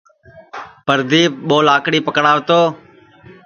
پردیپ ٻو لاکڑی پکڑاو تو